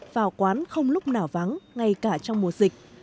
vào quán không lúc nào vắng ngay cả trong mùa dịch